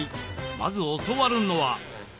まず教わるのは。